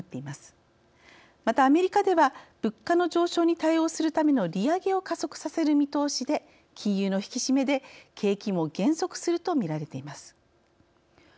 また、アメリカでは物価の上昇に対応するための利上げを加速させる見通しで金融の引き締めで景気も減速するとみられています。